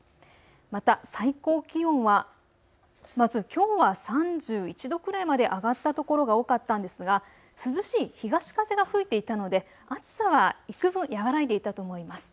また最高気温はまず、きょうは３１度くらいまで上がったところが多かったんですが涼しい東風が吹いていたので暑さはいくぶん和らいでいたと思います。